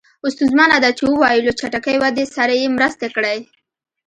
ستونزمنه ده چې ووایو له چټکې ودې سره یې مرسته کړې.